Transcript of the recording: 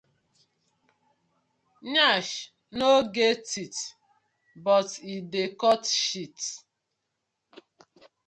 Yansh no get teeth but e dey cut shit: